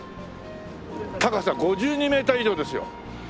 高さ５２メーター以上ですよ。